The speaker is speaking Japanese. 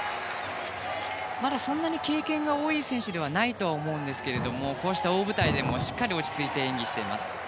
まだそんなに経験が多い選手ではないと思うんですけれどもこうした大舞台でも、しっかり落ち着いて演技しています。